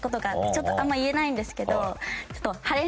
ちょっとあんま言えないんですけど。